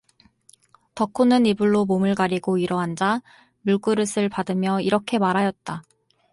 덕호는 이불로 몸을 가리고 일어앉아 물그릇을 받으며 이렇게 말하였다.